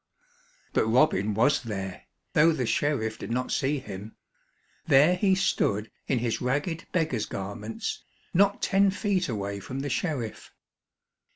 But Robin was there, though the sheriff did not see him. There he stood in his ragged beggar's garments, not ten feet away from the sheriff.